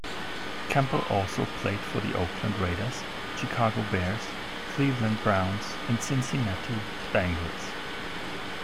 Campbell also played for the Oakland Raiders, Chicago Bears, Cleveland Browns, and Cincinnati Bengals.